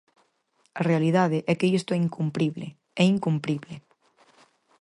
A realidade é que isto é incumprible, é incumprible.